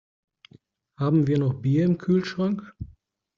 Haben wir noch Bier im Kühlschrank?